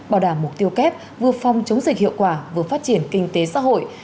bảo đảm mục tiêu kép vừa phòng chống dịch hiệu quả vừa phát triển kinh tế xã hội